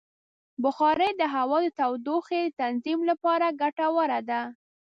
بخاري د هوا د تودوخې د تنظیم لپاره ګټوره ده.